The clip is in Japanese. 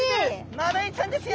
マダイちゃんですよ。